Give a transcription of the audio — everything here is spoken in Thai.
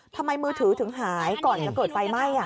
ทำไมมือถือถึงหายก่อนเกิดไฟไหม้